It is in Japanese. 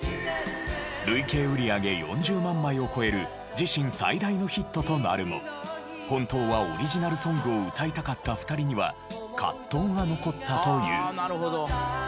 累計売り上げ４０万枚を超える自身最大のヒットとなるも本当はオリジナルソングを歌いたかった２人には葛藤が残ったという。